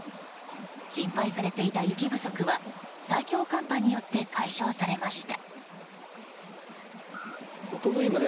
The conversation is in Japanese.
心配されていた雪不足は最強寒波によって解消されました。